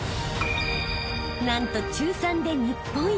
［なんと中３で日本一］